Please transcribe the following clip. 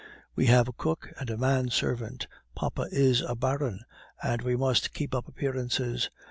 We have a cook and a manservant; papa is a baron, and we must keep up appearances.